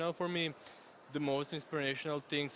hal yang paling menginspirasi adalah bernyanyi